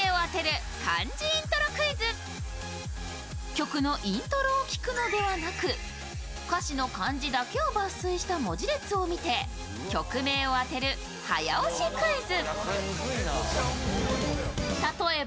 曲のイントロを聴くのではなく、歌詞を抜粋した文字列を見て曲名を当てる早押しクイズ。